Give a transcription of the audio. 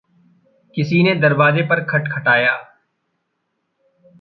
किसी ने दरवाज़े पर खटखटाया।